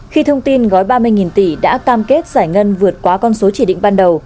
khi thông tin gói ba mươi tỷ đã cam kết giải ngân vượt quá con số chỉ định ban đầu